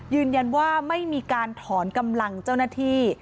ยืนยันว่าไม่มีการถอนกำลังเจ้าหน้าที่